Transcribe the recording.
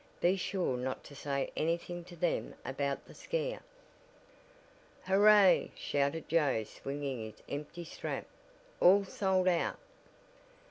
Be sure not to say anything to them about the scare." "Hurrah!" shouted Joe swinging his empty strap. "All sold out."